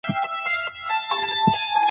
د زړه زور دي د ژوندون شېبو ته وركه